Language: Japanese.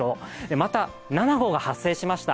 また７号が発生しました。